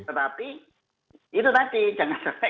tetapi itu tadi jangan sampai